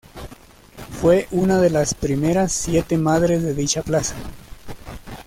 Fue una de las primeras siete madres de dicha plaza.